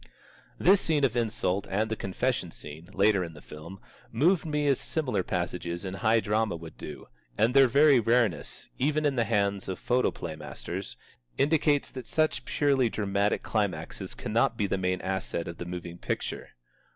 This scene of insult and the confession scene, later in this film, moved me as similar passages in high drama would do; and their very rareness, even in the hands of photoplay masters, indicates that such purely dramatic climaxes cannot be the main asset of the moving picture.